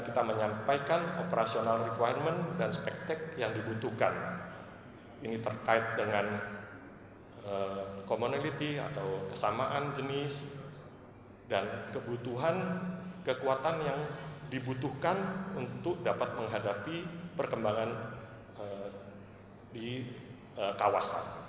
kepada penyelidikan kekuatan yang dibutuhkan untuk dapat menghadapi perkembangan di kawasan